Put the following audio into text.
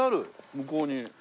向こうに。